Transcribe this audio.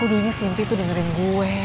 kudunya si impi tuh dengerin gue